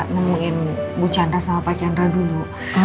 memungin bu jandra sama pak jandra dulu